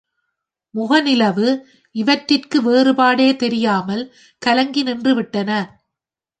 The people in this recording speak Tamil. முகம்நிலவு இவற்றிற்கு வேறுபாடே தெரியாமல் கலங்கி நின்றுவிட்டன.